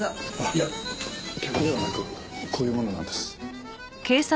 いや客ではなくこういう者なんです。